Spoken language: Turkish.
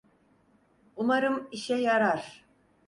Umarım işe yarar.